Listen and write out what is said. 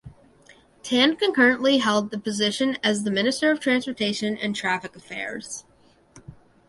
Tan concurrently held the position as the Minister of Transportation and Traffic Affairs.